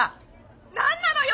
☎何なのよ